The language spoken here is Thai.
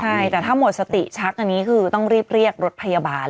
ใช่แต่ถ้าหมดสติชักอันนี้คือต้องรีบเรียกรถพยาบาล